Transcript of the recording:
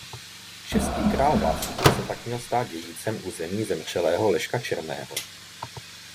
Český král Václav se tak měl stát dědicem území zemřelého Leška Černého.